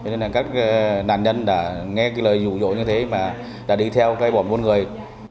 nên là các nạn nhân đã nghe cái lời dụ dỗ như thế mà đã đi theo cái bọn buôn người